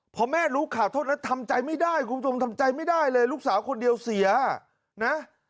พอแม่รู้ข่าวโทษแล้วทำใจไม่ได้คุณผู้ชมทำใจไม่ได้เลยลูกสาวคนเดียวเสียนะ